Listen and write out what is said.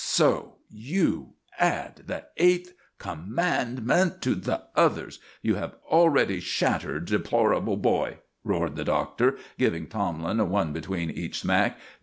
"So you add the eighth com mand ment to the others you have already shattered deplorable boy!" roared the Doctor, giving Tomlin one between each smack.